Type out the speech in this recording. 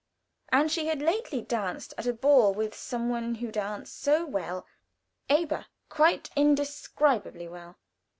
And she had lately danced at a ball with some one who danced so well aber, quite indescribably well.